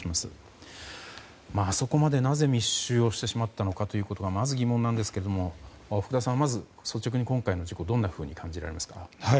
あそこまで、なぜ密集をしてしまったのかというのがまず疑問なんですが福田さん、まず率直に今回の事故どんなふうに感じられますか？